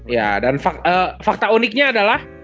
ya dan fakta uniknya adalah